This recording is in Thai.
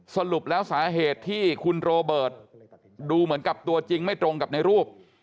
สรุปแล้วสาเหตุที่คุณโรเบิร์ตดูเหมือนกับตัวจริงไม่ตรงกับในรูป